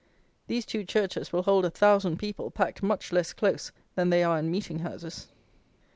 These two churches will hold a thousand people, packed much less close than they are in meeting houses.